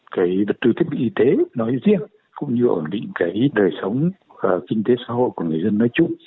cái vật tư thiết bị y tế nói riêng cũng như ổn định cái đời sống và kinh tế xã hội của người dân nói chung